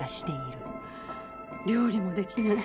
料理もできない。